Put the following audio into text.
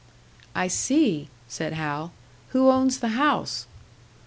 "I see," said Hal. "Who owns the house?"